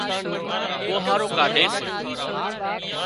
ٻوهارو ڪاڍي سي